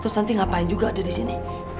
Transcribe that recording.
terus tanti ngapain juga ada disini